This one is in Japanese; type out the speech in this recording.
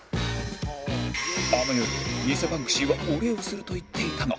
あの夜偽バンクシーはお礼をすると言っていたが